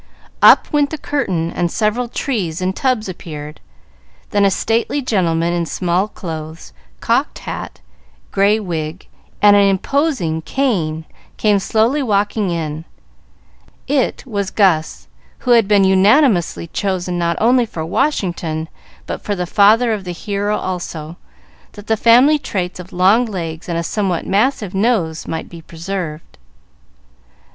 Up went the curtain and several trees in tubs appeared, then a stately gentleman in small clothes, cocked hat, gray wig, and an imposing cane, came slowly walking in. It was Gus, who had been unanimously chosen not only for Washington but for the father of the hero also, that the family traits of long legs and a somewhat massive nose might be preserved.